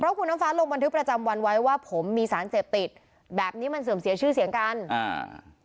คุณน้ำฟ้าลงบันทึกประจำวันไว้ว่าผมมีสารเสพติดแบบนี้มันเสื่อมเสียชื่อเสียงกันอ่า